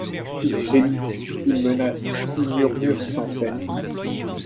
Il gémit, il menace, il murmure sans cesse.